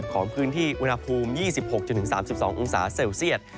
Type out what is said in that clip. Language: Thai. ของพื้นที่อุณหภูมิ๒๖๓๒องศาเซลเซียต